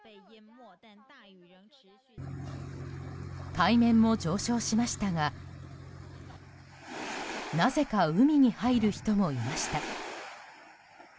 海面も上昇しましたがなぜか海に入る人もいました。